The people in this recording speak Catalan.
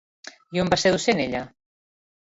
I on va ser docent ella?